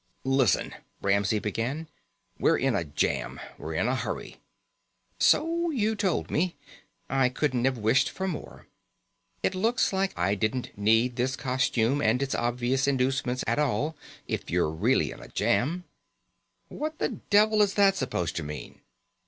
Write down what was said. "Listen," Ramsey began. "We're in a jam. We're in a hurry." "So you told me. I couldn't have wished for more. It looks like I didn't need this costume and its obvious inducements at all, if you're really in a jam." "What the devil is that supposed to mean?"